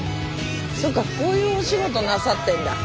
そっかこういうお仕事なさってんだ。